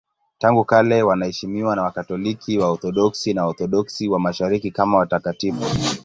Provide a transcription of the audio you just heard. Tangu kale wanaheshimiwa na Wakatoliki, Waorthodoksi na Waorthodoksi wa Mashariki kama watakatifu.